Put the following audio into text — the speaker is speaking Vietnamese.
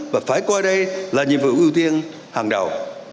và phải coi đây là nhiệm vụ ưu tiên hàng đầu